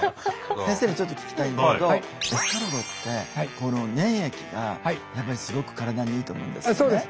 先生にちょっと聞きたいんだけどエスカルゴってこの粘液がやっぱりすごく体にいいと思うんですよね。